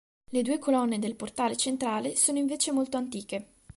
Le due colonne del portale centrale sono invece molto antiche.